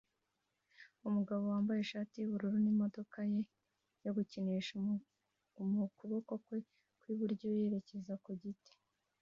Umuhungu wambaye ishati yubururu n'imodoka yo gukinisha mu kuboko kwe kw'iburyo yerekeza ku giti